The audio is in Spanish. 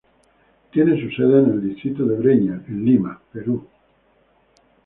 Tiene su sede en el distrito de Breña, en Lima, Perú.